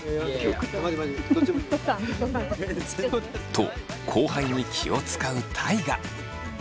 と後輩に気をつかう大我。